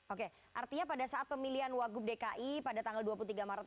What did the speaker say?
oke artinya pada saat pemilihan wagub dki pada tanggal dua puluh tiga maret